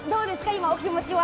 今お気持ちは。